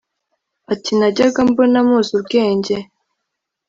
ati: najyaga mbona muzi ubwenge